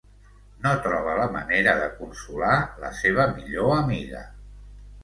No troba la manera de consolar la seva millor amiga.